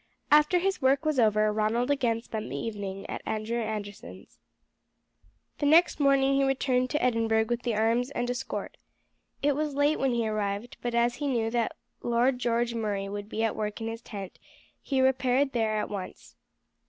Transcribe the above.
After his work was over Ronald again spent the evening at Andrew Anderson's. The next morning he returned to Edinburgh with the arms and escort. It was late when he arrived; but as he knew that Lord George Murray would be at work in his tent, he repaired there at once.